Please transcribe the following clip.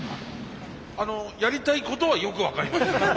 やりたいことはよく分かりました。